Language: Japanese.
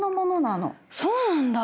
そうなんだ。